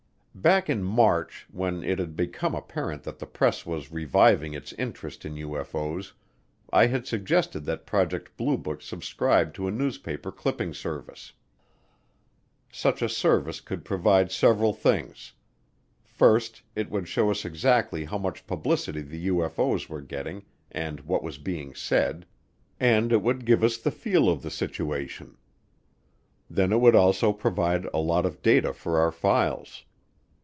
Back in March, when it had become apparent that the press was reviving its interest in UFO's, I had suggested that Project Blue Book subscribe to a newspaper clipping service. Such a service could provide several things. First, it would show us exactly how much publicity the UFO's were getting and what was being said, and it would give us the feel of the situation. Then it would also provide a lot of data for our files.